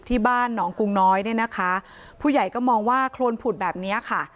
ที่บ้านหนองกุงน้อยเนี่ยนะคะผู้ใหญ่ก็มองว่าโครนผุดแบบเนี้ยค่ะ